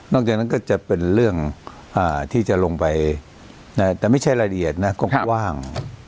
จากนั้นก็จะเป็นเรื่องที่จะลงไปแต่ไม่ใช่รายละเอียดนะกว้าง